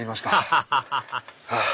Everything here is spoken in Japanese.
ハハハハ！